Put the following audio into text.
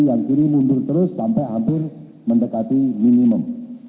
yang kiri mundur terus sampai hampir mendekati minimum